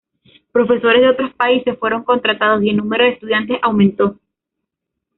Profesores de otros países fueron contratados, y el número de estudiantes aumentó.